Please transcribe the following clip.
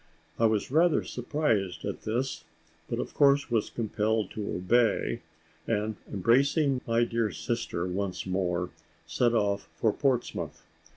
I was rather surprised at this, but of course was compelled to obey and, embracing my dear sister once more, set off for Portsmouth.